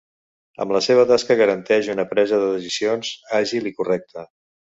Amb la seva tasca garanteix una presa de decisions àgil i correcta.